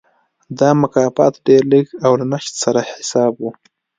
دا مکافات ډېر لږ او له نشت سره حساب و.